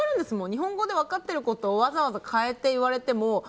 日本語で分かってることをわざわざ変えて言われても。